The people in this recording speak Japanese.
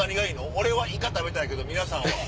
俺イカ食べたいけど皆さんは？